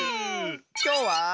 きょうは。